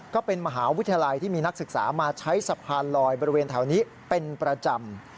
ก็เป็นมหาวิทยาลัยที่มีนักศึกษามาใช้สะพานลอยบริเวณแถวนี้เป็นประจำ